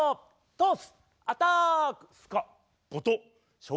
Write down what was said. トス！